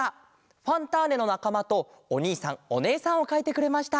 「ファンターネ！」のなかまとおにいさんおねえさんをかいてくれました。